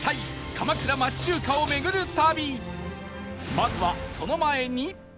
まずはその前に